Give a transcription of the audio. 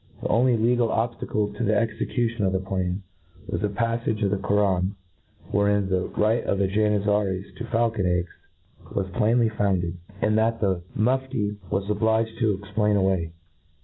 The only legal obftacle to the execution of the plan, was a paflage of the Koran, wherein the right of the Janizaridk to faykoneggs was pkdnly founded, and that the Mufti 102 INTRQ DUCTIO tl. Mufti was obliged to explain away.